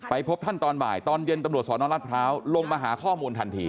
พบท่านตอนบ่ายตอนเย็นตำรวจสนรัฐพร้าวลงมาหาข้อมูลทันที